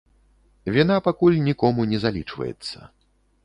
Віна пакуль нікому не залічваецца.